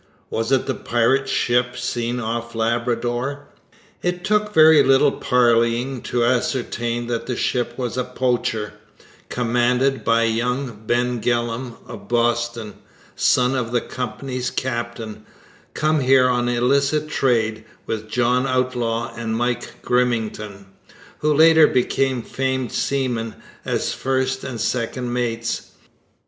Was it the pirate ship seen off Labrador? It took very little parleying to ascertain that the ship was a poacher, commanded by young Ben Gillam of Boston, son of the Company's captain, come here on illicit trade, with John Outlaw and Mike Grimmington, who later became famed seamen, as first and second mates.